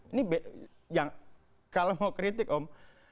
ini yang kalau mau kritik om